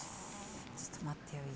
ちょっと待ってよ。